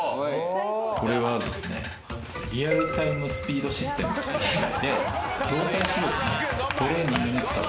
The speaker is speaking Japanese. これはですね、リアルタイムスピードシステムと言って動体視力のトレーニングに使う。